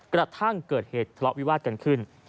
กระทั่งเกิดเหตุทะเลาะวิวาสกันขึ้น